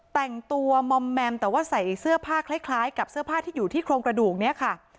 แต่ว่าใส่เสื้อผ้าคล้ายคล้ายกับเสื้อผ้าที่อยู่ที่โครงกระดูกเนี้ยค่ะ